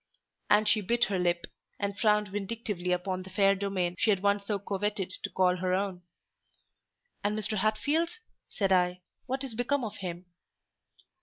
And she bit her lip, and frowned vindictively upon the fair domain she had once so coveted to call her own. "And Mr. Hatfield," said I, "what is become of him?"